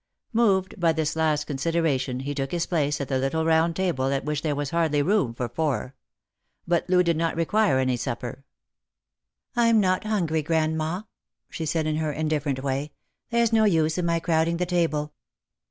Moved by this last considera tion, he took his place at the little round table, at which there was hardly room for four. But Loo did not require any supper. "I'm not hungry, grandma," she said, in her indifferent way; " there's no use in my crowding the table."